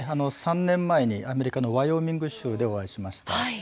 ３年前にアメリカのワイオミング州でお会いしました。